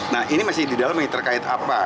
nah ini masih di dalam ini terkait apa